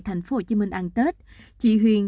tp hcm ăn tết chị huyền